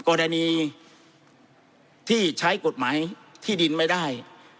กรณีที่ใช้กฎหมายที่ดินไม่ได้